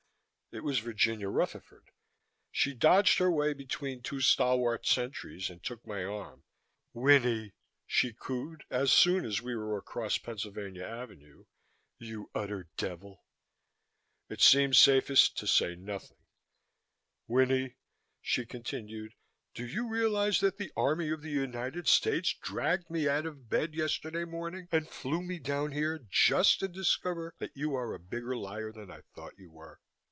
It was Virginia Rutherford. She dodged her way between two stalwart sentries and took my arm. "Winnie!" she cooed, as soon as we were across Pennsylvania Avenue, "you utter devil!" It seemed safest to say nothing. "Winnie," she continued. "Do you realize that the Army of the United States dragged me out of bed yesterday morning and flew me down here just to discover that you are a bigger liar than I thought you were?"